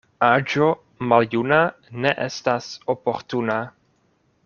Aĝo maljuna ne estas oportuna.